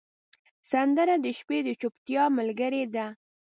سندره د شپې د چوپتیا ملګرې ده